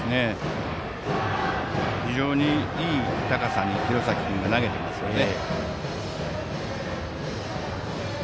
非常にいい高さに廣崎君が投げてますよね。